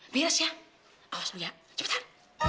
biasa ya awas bu ya cepetan